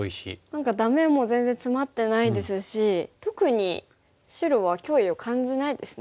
何かダメも全然ツマってないですし特に白は脅威を感じないですね。